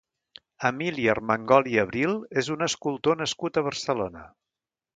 Emili Armengol i Abril és un escultor nascut a Barcelona.